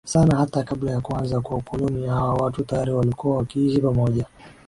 sana hata kabla ya kuanza kwa ukoloni hawa watu tayari walikuwa wakiishi pamoja